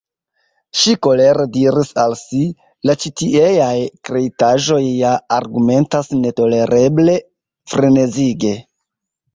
Ŝi kolere diris al si: "La ĉitieaj kreitaĵoj ja argumentas netolereble, frenezige."